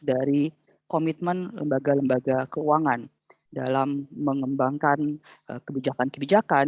dari komitmen lembaga lembaga keuangan dalam mengembangkan kebijakan kebijakan